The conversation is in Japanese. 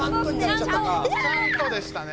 「ちゃんと」でしたね。